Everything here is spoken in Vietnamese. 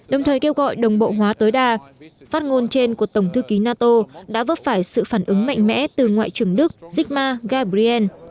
đồng thời kêu gọi đồng bộ hóa tối đa phát ngôn trên của tổng thư ký nato đã vấp phải sự phản ứng mạnh mẽ từ ngoại trưởng đức zikma gabriel